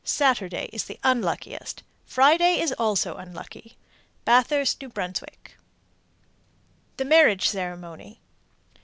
Saturday is the unluckiest. Friday is also unlucky. Bathurst, N.B. THE MARRIAGE CEREMONY.